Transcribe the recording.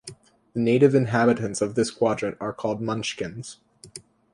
The native inhabitants of this quadrant are called Munchkins.